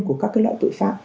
của các loại tội phạm